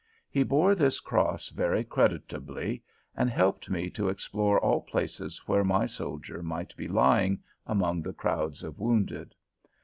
He bore this cross very creditably, and helped me to explore all places where my soldier might be lying among the crowds of wounded.